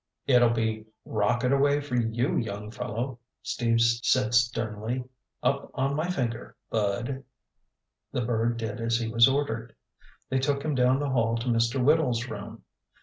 "It'll be 'rocket away' for you, young fellow!" Steve said sternly. "Up on my finger, Bud!" The bird did as he was ordered. They took him down the hall to Mr. Whittle's room.